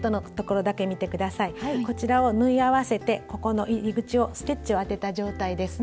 こちらを縫い合わせてここの入り口をステッチをあてた状態です。